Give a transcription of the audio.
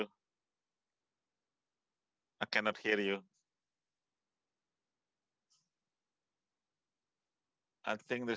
saya tidak bisa mendengar anda